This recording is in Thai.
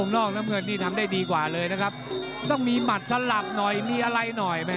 นี่ทำได้ดีกว่าเลยนะครับต้องมีมัดสลับหน่อยมีอะไรหน่อย